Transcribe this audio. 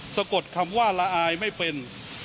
สะกดคำว่าละอายไม่เป็น